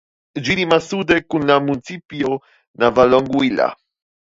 Ĝi limas sude kun la municipo Navalonguilla.